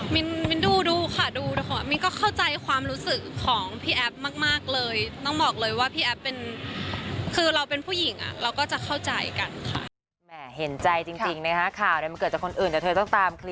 มินดูค่ะดูมินก็เข้าใจความรู้สึกของพี่แอฟมากเลยต้องบอกเลยว่าพี่แอฟเป็นคือเราเป็นผู้หญิงเราก็จะเข้าใจกันค่ะ